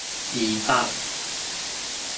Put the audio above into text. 二百